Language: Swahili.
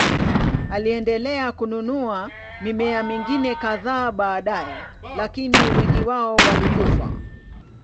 Aliendelea kununua mimea mingine kadhaa baadaye, lakini wengi wao walikufa.